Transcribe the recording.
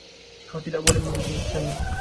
Kau tidak boleh menyentuh lukisannya.